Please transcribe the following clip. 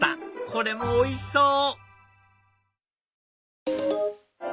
これもおいしそう！